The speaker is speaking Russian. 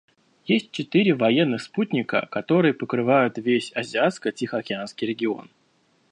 Есть четыре военных спутника, которые покрывают весь Азиатско-Тихоокеанский регион.